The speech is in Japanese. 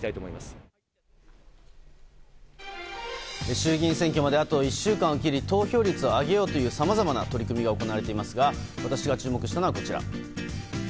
衆議院選挙まであと１週間を切り投票率を上げようというさまざまな取り組みが行われていますが私が注目したのはこちら。